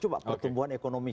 coba pertumbuhan ekonomi kita